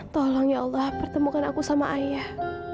tolong ya allah pertemukan aku sama ayah